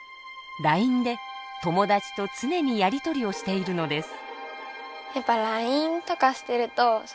ＬＩＮＥで友だちと常にやりとりをしているのです。